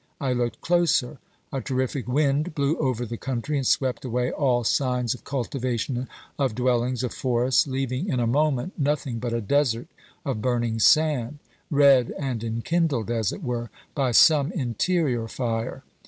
I looked closer. A terrific wind blew over the country and swept away all signs of cultivation, of dwellings, of forests, leaving in a moment nothing but a desert of burning sand, red and enkindled, as it were, by some in terior fire.